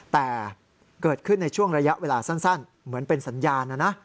แต่เกิดขึ้นในช่วงระยะเวลาสั้นเหมือนเป็นสัญญาณนะนะ